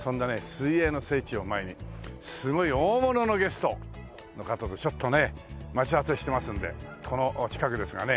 水泳の聖地を前にすごい大物のゲストの方とちょっとね待ち合わせしてますんでこの近くですかね。